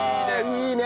いいね！